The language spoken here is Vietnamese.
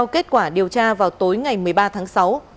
kết quả điều tra vào tối ngày một mươi ba tháng sáu